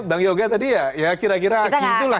bang yoga tadi ya ya kira kira gitu lah